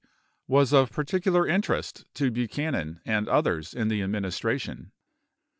was of particular interest to Buchanan and others in the admin istration.